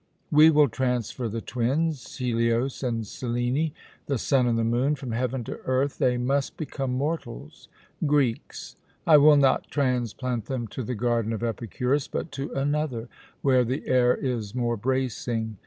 We will transfer the twins, Helios and Selene, the sun and the moon, from heaven to earth; they must become mortals Greeks. I will not transplant them to the garden of Epicurus, but to another, where the air is more bracing.